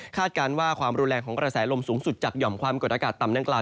การว่าความรุนแรงของกระแสลมสูงสุดจากหย่อมความกดอากาศต่ำนั่งกล่าว